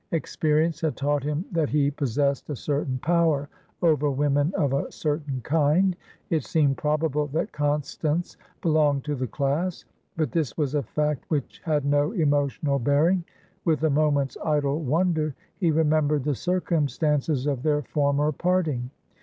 Experience had taught him that he possessed a certain power over women of a certain kind; it seemed probable that Constance belonged to the class; but this was a fact which had no emotional bearing. With a moment's idle wonder he remembered the circumstances of their former parting.